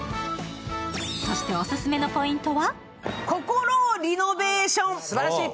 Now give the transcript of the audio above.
そして、オススメのポイントは。